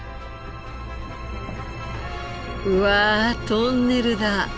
うわトンネルだ。